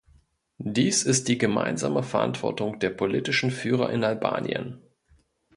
Dies ist die gemeinsame Verantwortung der politischen Führer in Albanien.